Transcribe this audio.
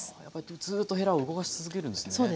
やっぱりずっとへらを動かし続けるんですね？